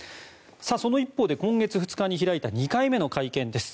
その一方で、今月２日に開いた２回目の会見です。